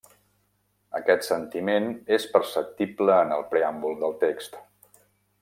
Aquest sentiment és perceptible en el preàmbul del text.